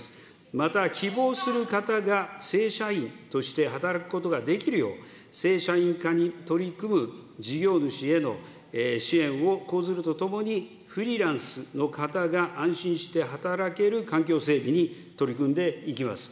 また、希望する方が正社員として働くことができるよう、正社員化に取り組む事業主への支援を講ずるとともに、フリーランスの方が安心して働ける環境整備に取り組んでいきます。